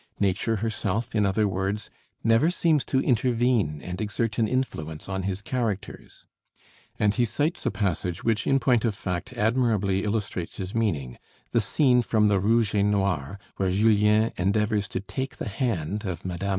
Nature herself, in other words, never seems to intervene and exert an influence on his characters"; and he cites a passage which in point of fact admirably illustrates his meaning, the scene from the 'Rouge et Noir', where Julien endeavors to take the hand of Mme.